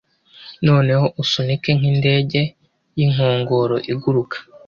Noneho usunike nkindege yinkongoro iguruka